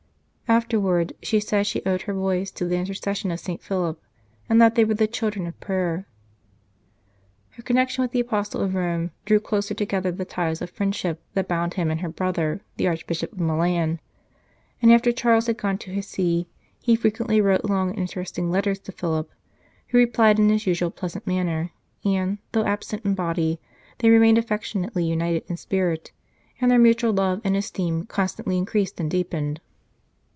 Afterwards she said that she owed her boys to the intercession of St. Philip, and that they were the children of prayer. Her connection with the Apostle of Rome drew closer together the ties of friendship that bound him and her brother, the Archbishop of Milan ; and after Charles had gone to his See he frequently wrote long and interesting letters to Philip, who replied in his usual pleasant manner, and, though absent in body, they remained affectionately united in spirit, and their mutual love and esteem constantly increased and deepened.